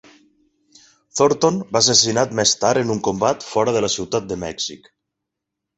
Thornton va ser assassinat més tard en un combat fora de la Ciutat de Mèxic.